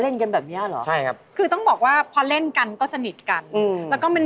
เราให้ยายไปพักก่อน